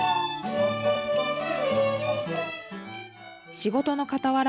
仕事のかたわら